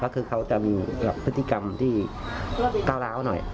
เขาจะมีพฤติกรรมที่กล้าวหน่อย